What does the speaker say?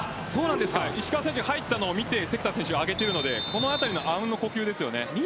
石川選手が入ったのを見て関田選手が上げているのでこのあたりがあうんの呼吸ですよね。